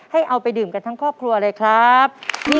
เอาไปดื่มกันทั้งครอบครัวเลยครับ